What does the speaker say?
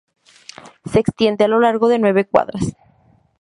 Se extiende a lo largo de nueve cuadras.